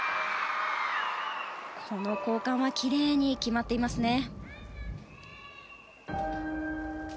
この交換は奇麗に決まっていますね。